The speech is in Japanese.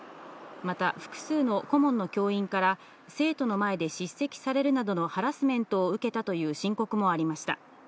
また、複数の顧問の教員から、生徒の前で叱責されるなどのハラスメントを受けたという申告もありました。